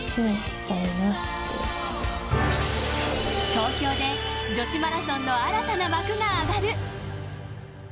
東京で女子マラソンの新たな幕が上がる。